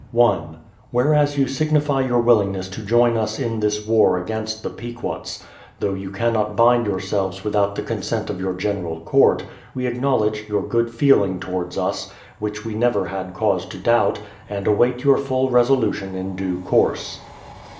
1. Whereas you signify your willingness to join us in this war against the Pequots, though you cannot bind yourselves without the consent of your General Court, we acknowledge your good feeling towards us, which we never had cause to doubt, and await your full resolution in due course.